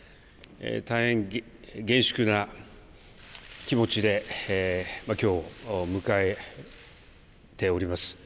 大変厳粛な気持ちで、きょうを迎えております。